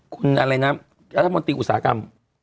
คุณอะไรนะอาทิตย์อุตสาหกรรม